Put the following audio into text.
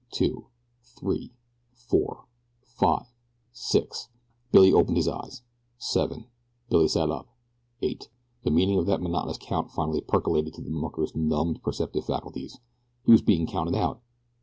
Two. Three. Four. Five. Six. Billy opened his eyes. Seven. Billy sat up. Eight. The meaning of that monotonous count finally percolated to the mucker's numbed perceptive faculties. He was being counted out!